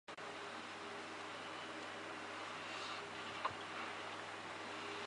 诸冢村是位于日本宫崎县北部的一个村。